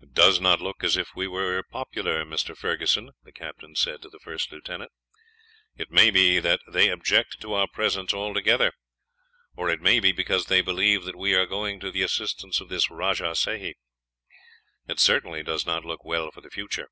"It does not look as if we were popular, Mr. Ferguson," the captain said to the first lieutenant. "It may be that they object to our presence altogether, or it may be because they believe that we are going to the assistance of this Rajah Sehi. It certainly does not look well for the future."